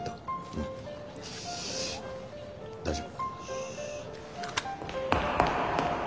うん大丈夫。